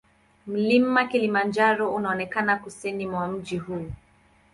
Mlima Kilimanjaro unaonekana kusini mwa mji huu.